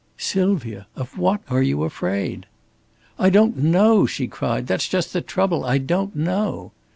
"Sylvia! Of what are you afraid?" "I don't know!" she cried. "That's just the trouble. I don't know!"